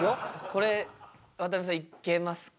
これ渡辺さんいけますか？